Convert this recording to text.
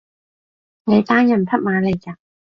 你單人匹馬嚟呀？